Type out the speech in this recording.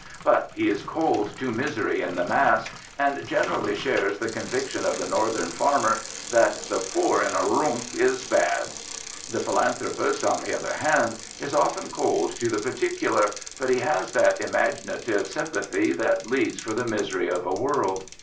But he is cold to misery in the mass, and generally shares the conviction of the Northern farmer that " the poor in a loomp is bad." The philanthropist, on the other hand, is often cold to the particular, but he has that imaginative sympathy that bleeds for the misery of a world.